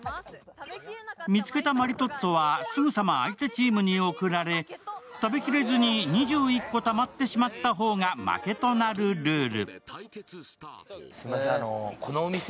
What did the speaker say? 見つけたマリトッツォはすぐさま相手チームに送られ、食べきれずに２１個たまってしまった方が負けとなるルール。